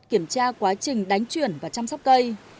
kiểm tra quá trình đánh chuyển và chăm sóc cây